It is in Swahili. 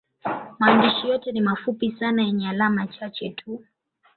Maandishi yote ni mafupi sana yenye alama chache tu.